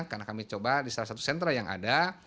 karena kami coba di salah satu sentra yang ada